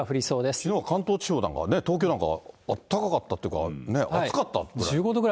きのうは関東地方なんかはね、東京なんかはあったかかったっていうか、暑かったくらい。